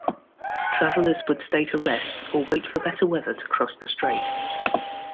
Travelers would stay to rest or wait for better weather to cross the strait.